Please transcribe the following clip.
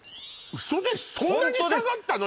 ウソでそんなに下がったの？